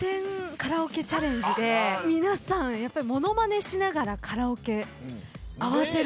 カラオケチャレンジで皆さん物まねしながらカラオケ合わせるって。